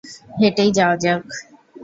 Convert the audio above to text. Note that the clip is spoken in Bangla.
হেঁটেই যাওয়া যাক।